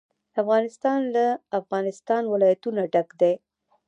افغانستان له د افغانستان ولايتونه ډک دی.